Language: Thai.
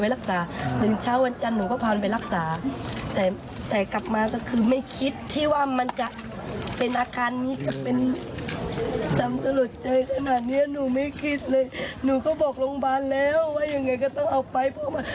เพราะมันทั้งเผาของทั้งเผาทุกสิ่งทุกอย่างโรงพยาบาลก็ยังไม่เอาไป